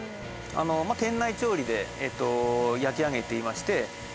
店内調理で焼き上げていまして